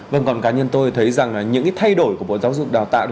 vâng còn cá nhân tôi thấy rằng là những cái thay đổi của bộ giáo dục đào tạo